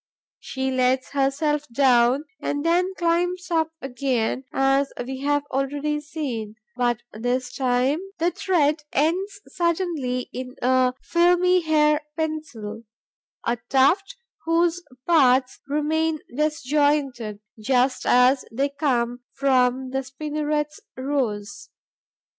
She lets herself down and then climbs up again, as we have already seen; but, this time, the thread ends suddenly in a filmy hair pencil, a tuft, whose parts remain disjoined, just as they come from the spinneret's rose.